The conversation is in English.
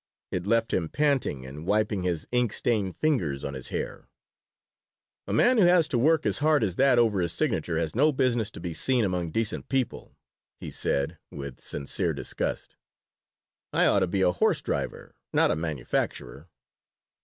It left him panting and wiping his ink stained fingers on his hair "A man who has to work as hard as that over his signature has no business to be seen among decent people," he said, with sincere disgust. "I ought to be a horse driver, not a manufacturer."